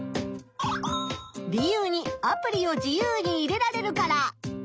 理由に「アプリを自由にいれられるから」。